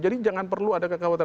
jadi jangan perlu ada kekhawatiran